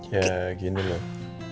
ya gini loh